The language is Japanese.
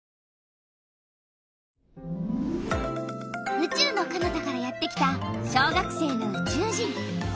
うちゅうのかなたからやってきた小学生のうちゅう人！